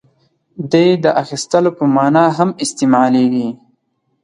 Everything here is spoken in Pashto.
• دې د اخیستلو په معنیٰ هم استعمالېږي.